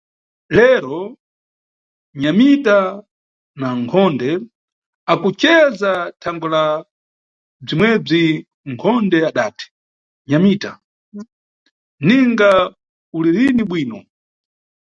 Lero, Nyamita na Nkhonde akuceza thangwe la bzimwebzi, nkhonde adati: Nyamita, ninga ulirini bwino!